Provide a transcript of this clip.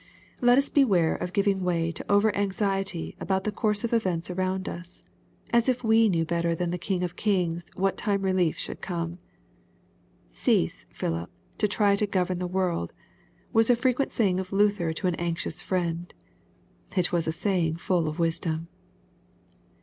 Let us beware of giving way to over anxiety about the course of events around us, as if we knew better than the King of kings what time relief should come. "Cease, Philip, to try to govern the world," was a frequent saying of Luther to an anxious friend. It was a saying full of wisdom.